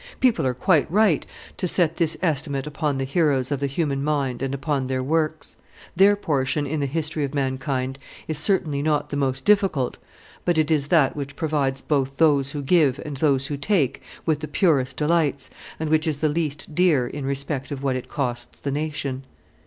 People are quite right to set this estimate upon the heroes of the human mind and upon their works; their portion in the history of mankind is certainly not the most difficult, but it is that which provides both those who give and those who take with the purest delights, and which is the least dear in respect of what it costs the nation.